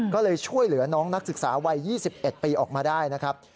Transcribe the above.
ก็เลยช่วยเหลือน้องนักศึกษาวัย๒๑ปีออกมาได้นะครับ